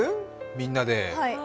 みんなで。